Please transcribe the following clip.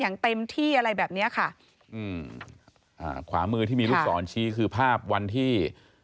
อย่างเต็มที่อะไรแบบเนี้ยค่ะอืมอ่าขวามือที่มีลูกศรชี้คือภาพวันที่